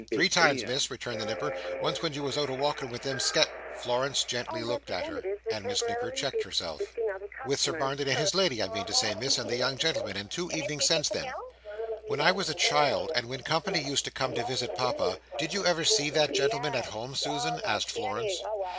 "Three times, Miss," returned the Nipper. "Once when you was out a walking with them Sket—" Florence gently looked at her, and Miss Nipper checked herself. "With Sir Barnet and his lady, I mean to say, Miss, and the young gentleman. And two evenings since then." "When I was a child, and when company used to come to visit Papa, did you ever see that gentleman at home, Susan?" asked Florence.